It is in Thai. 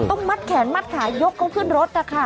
ต้องมัดแขนมัดขายกเขาขึ้นรถนะคะ